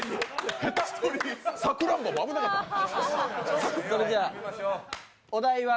さくらんぼも危なかったから。